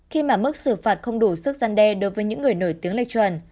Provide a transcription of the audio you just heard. khi mà mức xử phạt không đủ sức gian đe đối với những người nổi tiếng lệch chuẩn